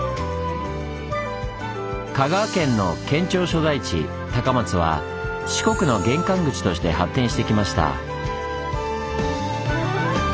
香川県の県庁所在地高松は四国の玄関口として発展してきました。